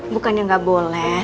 bukannya gak boleh